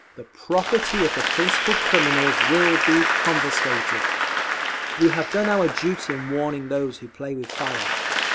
The property of the principal criminals will be confiscated. We have done our duty in warning those who play with fire.